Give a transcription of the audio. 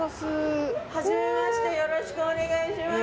初めましてよろしくお願いします